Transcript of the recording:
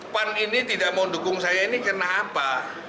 pan ini tidak mau dukung saya ini kenapa